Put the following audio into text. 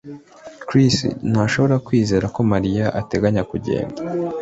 Chris ntashobora kwizera ko Mariya ateganya kugenda